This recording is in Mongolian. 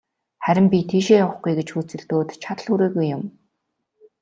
Харин би тийшээ явахгүй гэж хөөцөлдөөд, чадал хүрээгүй юм.